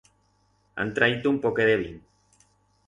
Han traito un poquet de vin.